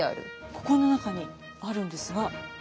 ここの中にあるんですが。